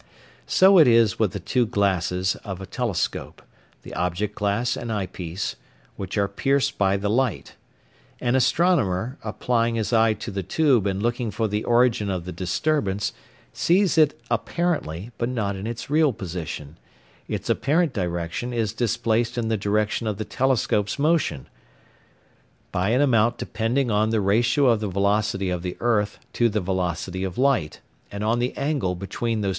So it is with the two glasses of a telescope, the object glass and eye piece, which are pierced by the light; an astronomer, applying his eye to the tube and looking for the origin of the disturbance, sees it apparently, but not in its real position its apparent direction is displaced in the direction of the telescope's motion; by an amount depending on the ratio of the velocity of the earth to the velocity of light, and on the angle between those two directions.